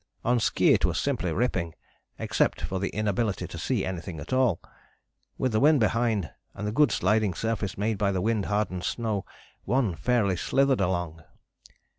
On ski it was simply ripping, except for the inability to see anything at all. With the wind behind, and the good sliding surface made by the wind hardened snow, one fairly slithered along.